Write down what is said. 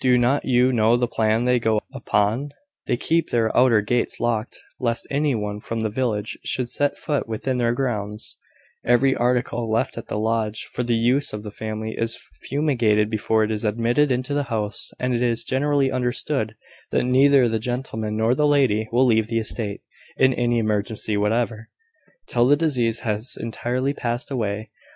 Do not you know the plan they go upon? They keep their outer gates locked, lest any one from the village should set foot within their grounds; every article left at the lodge for the use of the family is fumigated before it is admitted into the house: and it is generally understood that neither the gentleman nor the lady will leave the estate, in any emergency whatever, till the disease has entirely passed away.